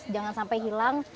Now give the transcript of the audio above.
jangan sampai hilang